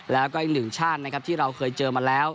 แล้วก็อีกหนึ่งชาญที่เราเคยเจอมาแล้ว